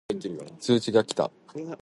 通知が来た